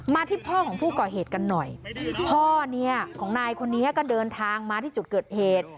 ที่พ่อของผู้ก่อเหตุกันหน่อยพ่อเนี่ยของนายคนนี้ก็เดินทางมาที่จุดเกิดเหตุ